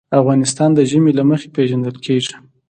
افغانستان د ژمی له مخې پېژندل کېږي.